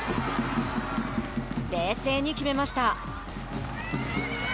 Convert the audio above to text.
冷静に決めました。